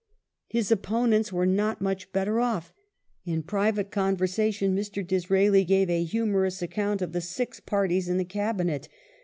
^ His opponents were not much better off. " In private conversation, Mr. Disraeli gave a humorous account of the six parties in the Cabinet.